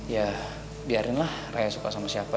ya biarin lah raya suka sama siapa